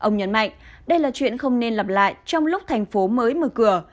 ông nhấn mạnh đây là chuyện không nên lặp lại trong lúc thành phố mới mở cửa